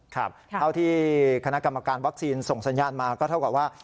คราวที่คณะกรรมการอนไพรวัคซีนส่งสัญญาณมาก็เท่ากับว่า